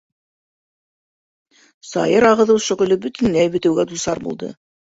Сайыр ағыҙыу шөғөлө бөтөнләй бөтөүгә дусар булды.